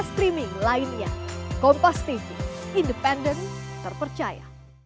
streaming lainnya kompas tv independen terpercaya